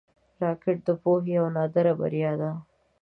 راکټ د پوهې یوه نادره بریا ده